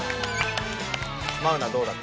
マウナどうだった？